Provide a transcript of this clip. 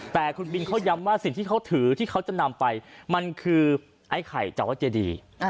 แต่คุณบินเขาย้ำว่าสิ่งที่เขาถือที่เขาจะนำไปมันคือไอ้ไข่จากวัดเจดี